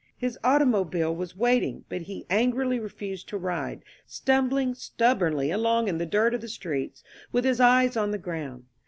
His automobile was waiting, but he angrily refused to ride, stumbling stubbornly along in the dirt of the streets with his eyes on the ground.